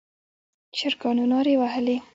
چرګانو نارې وهلې.